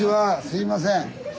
すいません。